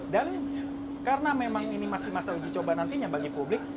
dan karena memang ini masih masa uji coba nantinya bagi publik